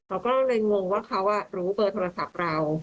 เราก็เลยงงว่าเขารู้เบอร์โทรศัพท์เรา